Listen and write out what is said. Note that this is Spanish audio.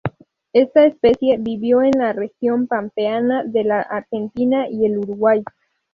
Esta especie vivió en la región pampeana de la Argentina y el Uruguay.